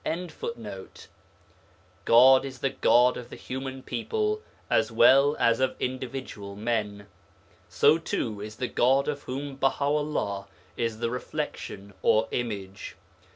29).] God is the God of the human people as well as of individual men, so too is the God of whom Baha 'ullah is the reflection or image.